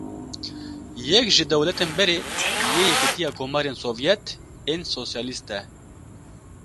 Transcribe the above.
Yek ji dewletên berê yê Yekîtiya Komarên Sovyet ên Sosyalîst e.